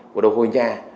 của đồ hồi nhà